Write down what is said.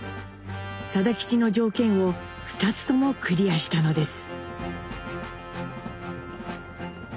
定吉の条件を２つともクリアしたのです。